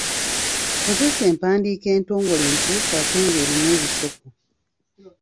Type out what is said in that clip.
Kozesa empandiika entongole entuufu ate nga erimu ebisoko.